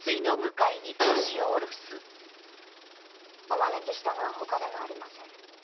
お招きしたのは他でもありません。